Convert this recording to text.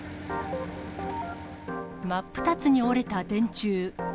真っ二つに折れた電柱。